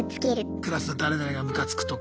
クラスの誰々がムカつくとか。